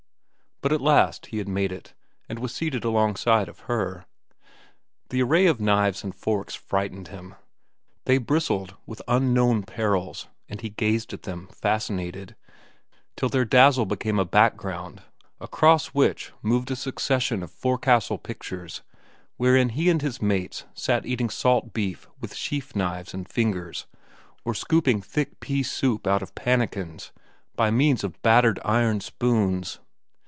But at last he had made it, and was seated alongside of Her. The array of knives and forks frightened him. They bristled with unknown perils, and he gazed at them, fascinated, till their dazzle became a background across which moved a succession of forecastle pictures, wherein he and his mates sat eating salt beef with sheath knives and fingers, or scooping thick pea soup out of pannikins by means of battered iron spoons.